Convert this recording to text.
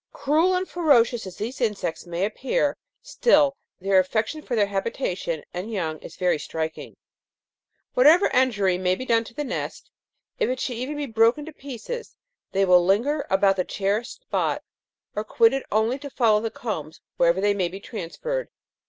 " Cruel and ferocious as these insects may appear, still their affection for their habitation and young is very striking. Whatever injury may be done to the nest, if it should be even broken to pieces, they will linger about the cherished spot, or quit it only to follow the combs wherever they may be transferred.